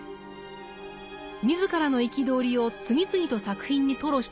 自らの憤りを次々と作品に吐露していく北條。